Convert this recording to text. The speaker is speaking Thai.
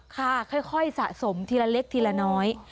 ค่ะค่อยสะสมทีละเล็กทีละน้อย